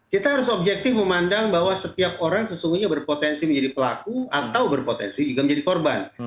kita harus objektif memandang bahwa setiap orang sesungguhnya berpotensi menjadi pelaku atau berpotensi juga menjadi korban